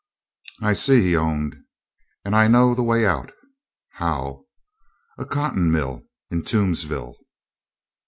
"H'm, I see," he owned. "And I know the way out." "How?" "A cotton mill in Toomsville."